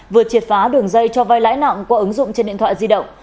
vừa triệt phá đường dây cho vai lãi nặng qua ứng dụng trên điện thoại di động